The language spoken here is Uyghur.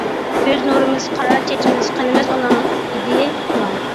كۆز نۇرىمىز، قارا چېچىمىز، قېنىمىز ئۇنىڭ ئىدى، ئۇنىڭ.